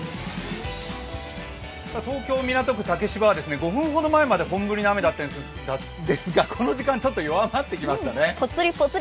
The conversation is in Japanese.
東京・港区竹芝は５分ほど前まで本降りの雨だったんですがこの時間、ちょっと弱まってきましたね。